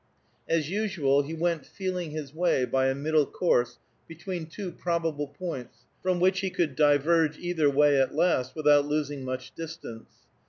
As usual, he went feeling his way by a middle course between two probable points, from which he could diverge either way at last without losing much distance.